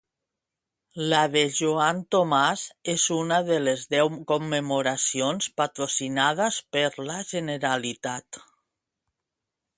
La de Joan Tomàs és una de les deu commemoracions patrocinades per la Generalitat.